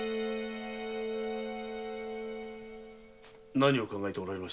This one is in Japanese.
何を考えておられました？